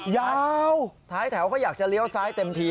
ยาวท้ายแถวเขาอยากจะเลี้ยวซ้ายเต็มที